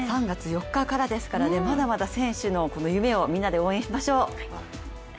３月４日からですからね、まだまだ選手の夢をみんなで応援しましょう！